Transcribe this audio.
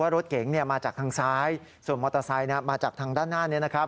รถเก๋งมาจากทางซ้ายส่วนมอเตอร์ไซค์มาจากทางด้านหน้านี้นะครับ